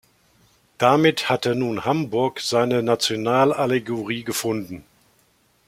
Damit hatte nun Hamburg seine Nationalallegorie gefunden.